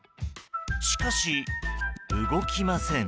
しかし、動きません。